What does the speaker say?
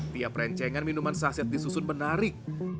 tiap rencengan minuman saset disusun menarik